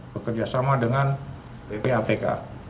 bekerjasama dengan ppatk